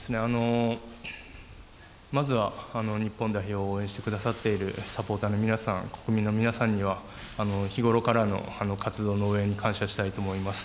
まずは、日本代表を応援してくださっているサポーターの皆さん、国民の皆さんには、日頃からの活動の応援に感謝したいと思います。